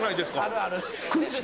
あるある。